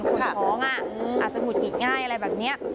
คนท้องอ่ะอาจจะหมุนกินง่ายอะไรแบบนี้